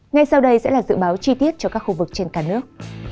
ngay sau đây sẽ là dự báo chi tiết cho các khu vực trên cả nước